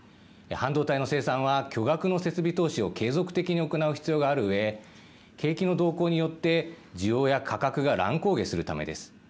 半導体の生産は巨額の設備投資を継続的に行う必要があるうえ景気の動向によって需要や価格が乱高下するためです。